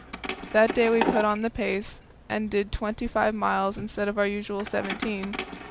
That day we put on the pace, and did twenty five miles instead of our usual seventeen.